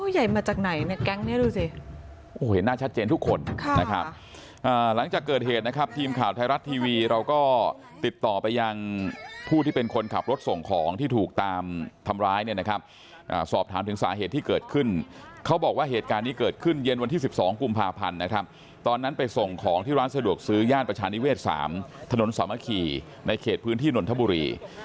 ใหญ่มาจากไหนเนี่ยแก๊งเนี้ยดูสิโอ้ยหน้าชัดเจนทุกคนนะครับหลังจากเกิดเหตุนะครับทีมข่าวไทยรัฐทีวีเราก็ติดต่อไปยังผู้ที่เป็นคนขับรถส่งของที่ถูกตามทำร้ายเนี่ยนะครับสอบถามถึงสาเหตุที่เกิดขึ้นเขาบอกว่าเหตุการณ์นี้เกิดขึ้นเย็นวันที่สิบสองกุมภาพันธุ์นะครับตอนนั้นไปส่งของที่